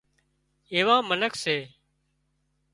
ايوان منک سي